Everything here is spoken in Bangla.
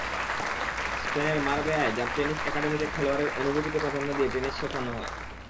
স্পেনের মারবেয়ায় যাঁর টেনিস একাডেমিতে খেলোয়াড়ের অনুভূতিকে প্রাধান্য দিয়ে টেনিস শেখানো হয়।